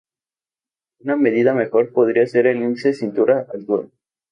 Una medida mejor podría ser el índice cintura-altura.